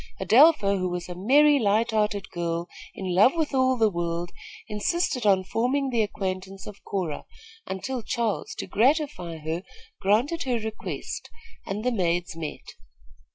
Adelpha, who was a merry, light hearted girl, in love with all the world, insisted on forming the acquaintance of Cora, until Charles, to gratify her, granted her request, and the maids met.